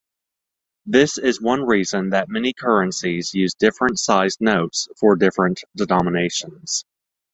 This is one reason that many currencies use different sized notes for different denominations.